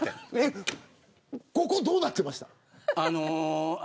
ここ、どうなってました。